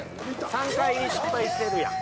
３回失敗してるやん。